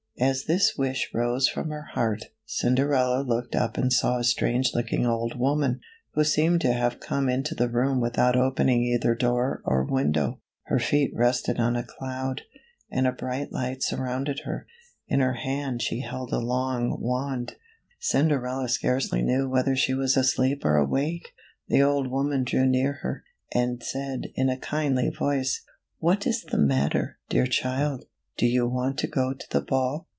As this wish rose from her heart, Cinderella looked up and saw a strange looking old woman, who seemed to have come into the room without opening either door or window. H er feet rested on a cloud, and a bright light surrounded her. In her hand she held a long wand. 25 CINDERELLA , OR THE LITTLE GLASS SLIPPER. Cinderella scarcely knew whether she was asleep or awake. The old woman drew near her, and said in a kindly voice, " What is the matter, dear child ? Do you want to go to the ball